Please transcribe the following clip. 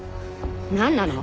なんなの？